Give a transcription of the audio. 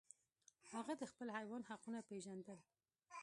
هغه د خپل حیوان حقونه پیژندل.